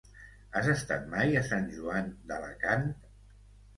Has estat mai a Sant Joan d'Alacant?